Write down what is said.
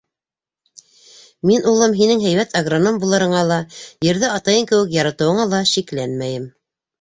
Мин, улым, һинең һәйбәт агроном булырыңа ла, ерҙе атайың кеүек яратыуыңа ла шикләнмәйем.